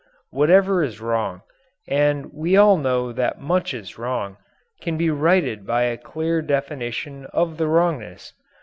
Whatever is wrong and we all know that much is wrong can be righted by a clear definition of the wrongness.